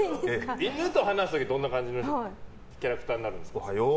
犬と話す時はどんな感じのキャラクターになるんですか？